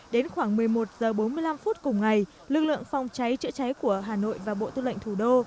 đến khoảng một mươi một h bốn mươi năm phút cùng ngày lực lượng phòng cháy chữa cháy của hà nội và bộ tư lệnh thủ đô